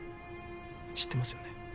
知ってますよね？